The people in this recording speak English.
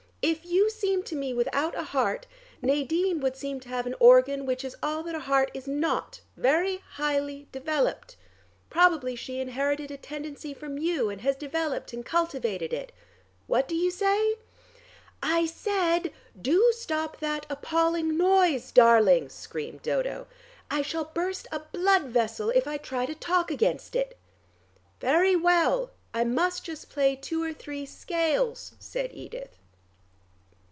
If you seemed to me without a heart, Nadine would seem to have an organ which is all that a heart is not, very highly developed. Probably she inherited a tendency from you, and has developed and cultivated it. What do you say?" "I said, do stop that appalling noise, darling," screamed Dodo. "I shall burst a blood vessel if I try to talk against it." "Very well: I must just play two or three scales," said Edith.